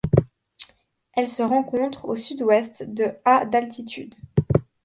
Elle se rencontre au sud-ouest de à d'altitude.